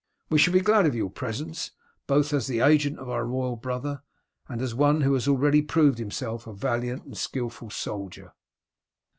We shall be glad of your presence, both as the agent of our royal brother and as one who has already proved himself a valiant and skilful soldier."